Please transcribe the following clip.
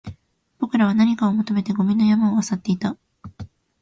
僕らは何かを求めてゴミの山を漁っていた